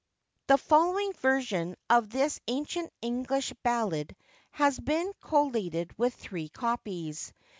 [THE following version of this ancient English ballad has been collated with three copies.